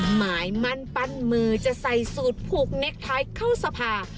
หมายมั่นปั้นมือจะใส่สูตรผูกเน็กท้ายเข้าสภา